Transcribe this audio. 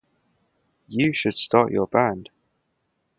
You should start your band.